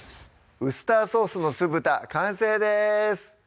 「ウスターソースの酢豚」完成です